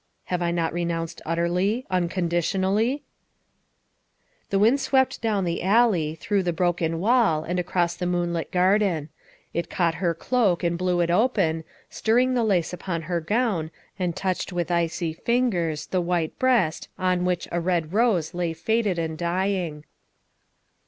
Have I not re nounced utterly unconditionally ?'' The wind swept down the alley, through the broken wall, and across the moonlit garden. It caught her cloak and blew it open, stirring the lace upon her gown and touching with icy finger the white breast against which a red rose lay faded and dying.